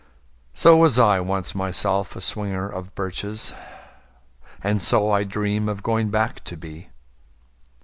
So was I once myself a swinger of birches. And so I dream of going back to be.